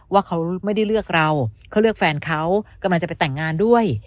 ว่าเขาไม่ได้เลือกเราเขาเลือกแฟนเขากำลังจะไปแต่งงานด้วย